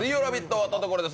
終わったところです